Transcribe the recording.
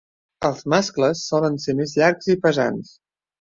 Els mascles solen ser més llargs i pesants.